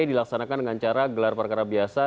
dilaksanakan dengan cara gelar perkara biasa